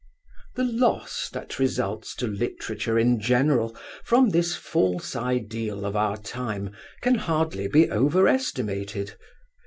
'The lose that results to literature in general from this false ideal of our time can hardly be overestimated.